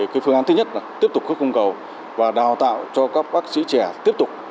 cái phương án thứ nhất là tiếp tục khớp cung cầu và đào tạo cho các bác sĩ trẻ tiếp tục